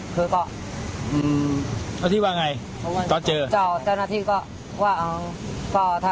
คุณเจ้าหน้าที่เอามาให้เราดู